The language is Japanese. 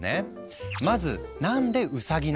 まず何でウサギなのか。